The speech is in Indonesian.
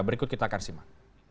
berikut kita akan simak